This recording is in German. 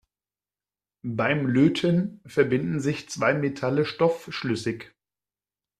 Beim Löten verbinden sich zwei Metalle stoffschlüssig.